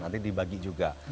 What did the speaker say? nanti dibagi juga